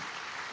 terima kasih ya